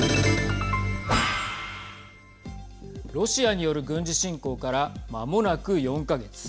ロシアによる軍事侵攻からまもなく４か月。